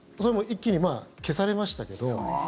一気に消されましたけど。